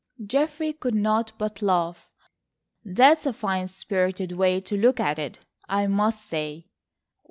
Geoffrey could not but laugh. "That's a fine spirited way to look at it, I must say."